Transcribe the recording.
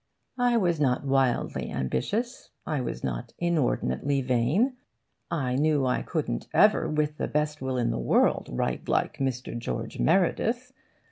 I was not wildly ambitious. I was not inordinately vain. I knew I couldn't ever, with the best will in the world, write like Mr. George Meredith.